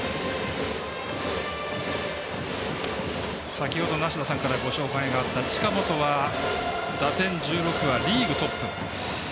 先ほど、梨田さんからご紹介があった近本、打点１６はリーグトップ。